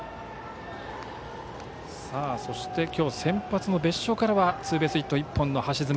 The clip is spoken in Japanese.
そして今日先発の別所からはツーベースヒット１本の橋爪。